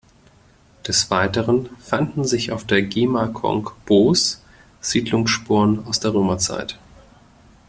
Des Weiteren fanden sich auf der Gemarkung Boos Siedlungsspuren aus der Römerzeit.